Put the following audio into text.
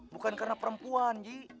bukan karena perempuan ji